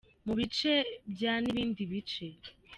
mu bice bya n’ibindi bice.